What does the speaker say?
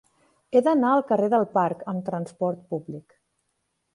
He d'anar al carrer del Parc amb trasport públic.